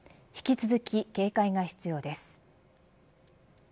引き続き警戒が必要です。